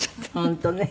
本当ね。